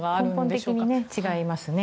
根本的に違いますね。